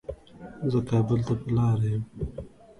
زه کابل ته په لاره يم